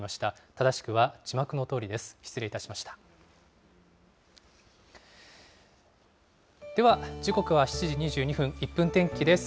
正しくは字幕のとおりです。